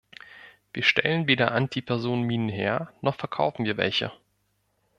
Wir stellen weder Antipersonenminen her, noch verkaufen wir welche.